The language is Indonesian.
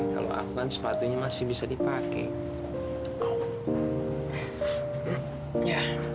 kalau aku kan sepatunya masih bisa dipakai